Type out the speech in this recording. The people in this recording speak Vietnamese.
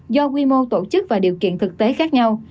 do quy mô tổ chức và điều kiện thực tế khác nhau